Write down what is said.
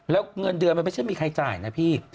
แล้วเงินเดือนมันไม่ใช่มีใครจ่ายนะพี่